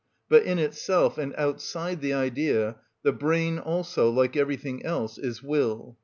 But in itself, and outside the idea, the brain also, like everything else, is will.